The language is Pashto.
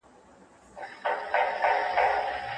د ذمیانو د ژوند او مال ساتنه زموږ دنده ده.